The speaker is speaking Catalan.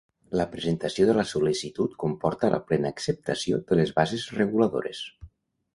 La presentació de la sol·licitud comporta la plena acceptació de les bases reguladores.